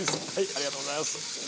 ありがとうございます。